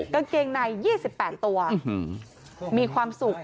กางเกงในยี่สิบแปนตัวอื้อหือมีความสุข